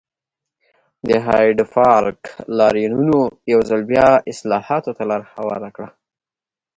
د هایډپارک لاریونونو یو ځل بیا اصلاحاتو ته لار هواره کړه.